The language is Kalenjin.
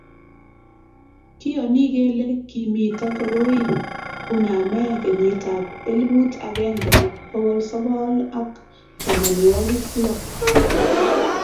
kiyoni kele kimito koroi kuname kenyitab elput agenge bokol sokol ak tamanwokik lo.